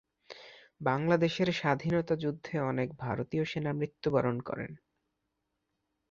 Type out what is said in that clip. বাংলাদেশের স্বাধীনতা যুদ্ধে অনেক ভারতীয় সেনা মৃত্যুবরণ করেন।